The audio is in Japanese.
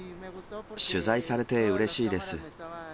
取材されてうれしいです。